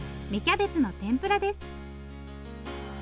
芽キャベツの天ぷらです。